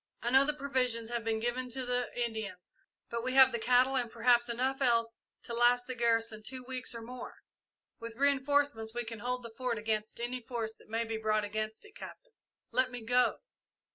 I know the provisions have been given to the Indians, but we have the cattle and perhaps enough else to last the garrison two weeks or more. With reinforcements we can hold the Fort against any force that may be brought against it. Captain let me go!"